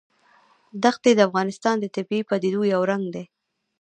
ښتې د افغانستان د طبیعي پدیدو یو رنګ دی.